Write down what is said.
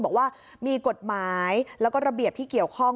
บอกว่ามีกฎหมายแล้วก็ระเบียบที่เกี่ยวข้อง